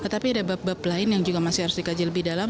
tapi ada bab bab lain yang juga masih harus dikaji lebih dalam